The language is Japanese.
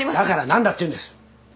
だから何だっていうんです。